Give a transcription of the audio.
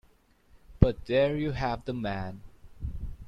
But there you have the man.